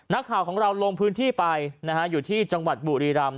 นักข่าวของเราลงพื้นที่ไปนะฮะอยู่ที่จังหวัดบุรีรำ